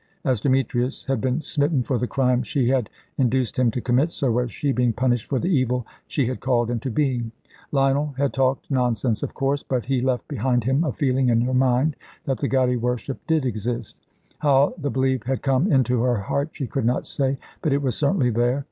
As Demetrius had been smitten for the crime she had induced him to commit, so was she being punished for the evil she had called into being. Lionel had talked nonsense, of course; but he left behind him a feeling in her mind that the God he worshipped did exist. How the belief had come into her heart, she could not say; but it was certainly there.